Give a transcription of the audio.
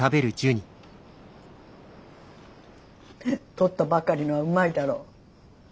とったばかりのはうまいだろ。